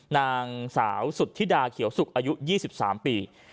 นางสาวสุธิดาเขียวสุกอายุ๒๓ปี